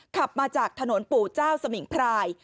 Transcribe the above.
ขับมาจากถนนปู่เจ้าสมิงพราย